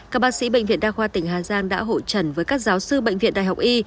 các bác sĩ bệnh viện đa khoa tỉnh hà giang đã hộ trần với các giáo sư bệnh viện đại học y